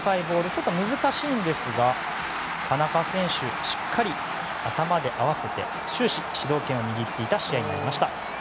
ちょっと難しいんですが田中選手がしっかり頭で合わせて終始、主導権を握っていた試合になりました。